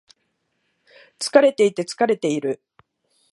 疲れていて、寂れている。